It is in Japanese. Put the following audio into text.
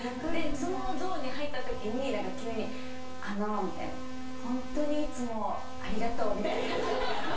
そのゾーンに入ったときに急に「あの」みたいな。「ホントにいつもありがとう」みたいな感じ。